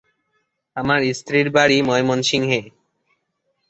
আমার স্ত্রীর বাড়ি ময়মনসিংহে।